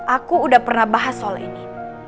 aku udah pernah bahas soal ini